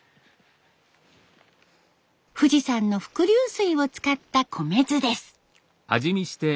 富士山の伏流水を使った米酢です。